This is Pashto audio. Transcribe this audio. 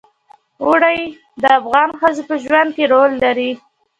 اوړي د افغان ښځو په ژوند کې رول لري.